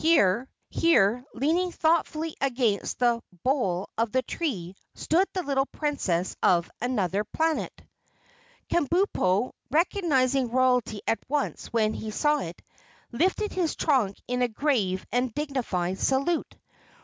Here, leaning thoughtfully against the bole of the tree, stood the little Princess of Anuther Planet. Kabumpo, recognizing royalty at once when he saw it, lifted his trunk in a grave and dignified salute.